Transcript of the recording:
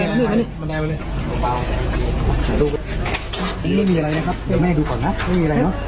อันนี้ไม่มีอะไรนะครับเดี๋ยวแม่ดูก่อนนะไม่มีอะไรเนอะ